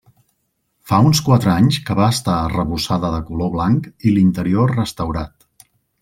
Fa uns quatre anys que va estar arrebossada de color blanc i l'interior restaurat.